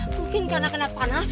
mungkin karena kena panas